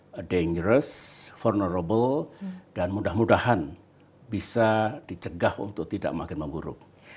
tentu saja itu sangat berharga berharga dan semoga bisa mencegah untuk tidak semakin memburuk